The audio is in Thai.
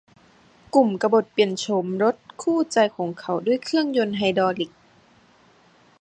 กลุ่มกบฏเปลี่ยนโฉมรถรถคู่ใจของเขาด้วยเครื่องยนต์ไฮดรอลิค